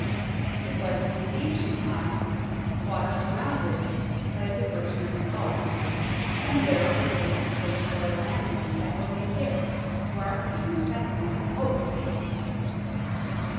It was in ancient times water surrounded by a diver sion of the moat, and there were caged those Royal animals that were made gifts to our kings by foreign potentates.